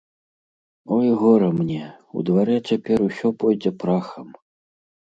Ой, гора мне, у дварэ цяпер усё пойдзе прахам!